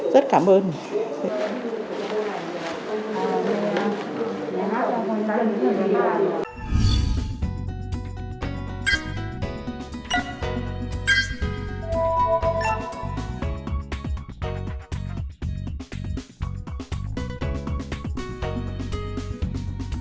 rất cảm ơn